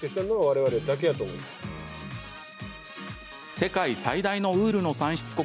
世界最大のウールの産出国